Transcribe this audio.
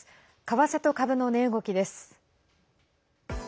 為替と株の値動きです。